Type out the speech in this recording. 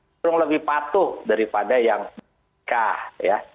cenderung lebih patuh daripada yang bernikah